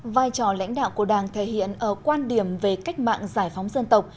vai trò lãnh đạo của đảng thể hiện ở quan điểm về cách mạng giải phóng dân tộc